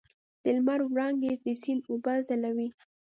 د لمر وړانګې د سیند اوبه ځلوي.